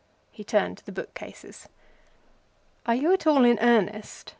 He turned to the book cases. "Are you at all in earnest?"